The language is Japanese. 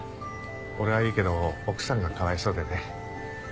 俺はいいけど奥さんがかわいそうでね。